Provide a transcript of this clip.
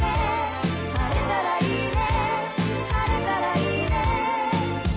「晴れたらいいね」